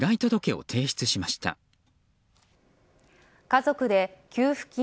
家族で給付金